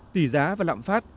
tỷ giá và lạm phát